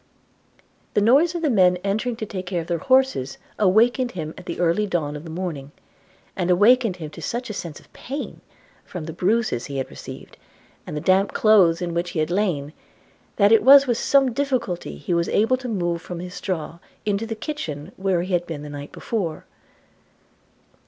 The noise of men entering to take care of their horses awakened him at the early dawn of the morning; and awakened him to such a sense of pain, from the bruises he had received, and the damp clothes in which he had lain, that it was with some difficulty he was able to move from his straw into the kitchen, where he had been the night before.